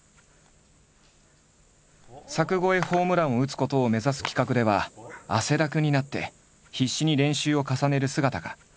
柵越えホームランを打つことを目指す企画では汗だくになって必死に練習を重ねる姿が。